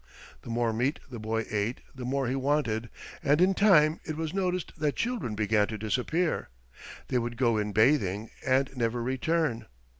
The more meat the boy ate the more he wanted, and in time it was noticed that children began to disappear. They would go in bathing and never return.